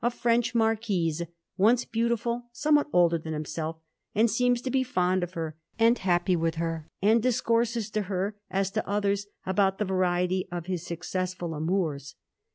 French marquise^ once beautiful, somewhat older than himself, and seems to be fond of her and happy with her, and discourses to her, as to others, about the variety of his successful amours.